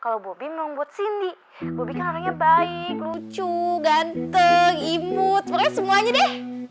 kalo bobby mau ngobot cindy bobby kan namanya baik lucu ganteng imut pokoknya semuanya deh